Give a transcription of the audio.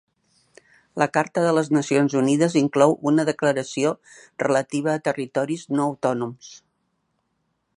La Carta de les Nacions Unides inclou una declaració relativa a territoris no autònoms.